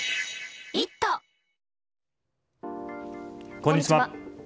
こんにちは。